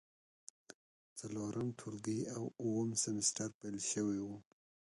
څلورم ټولګی او اووم سمستر پیل شوی و.